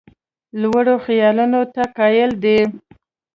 لوړو خیالونو ته قایل دی.